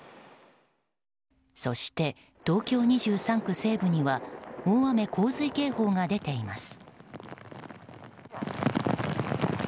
そして、東京２３区西部には大雨・洪水警報が出ています。